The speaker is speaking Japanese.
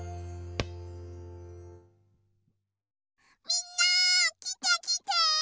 みんなきてきて！